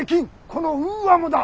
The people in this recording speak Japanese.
このウーアもだ！